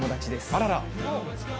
あらら。